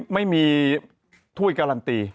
ไม่มีถ้วยการันตี